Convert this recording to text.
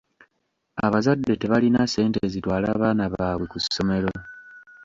Abazadde tebalina ssente zitwala baana baabwe ku ssomero.